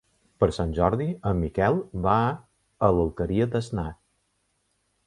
Per Sant Jordi en Miquel va a l'Alqueria d'Asnar.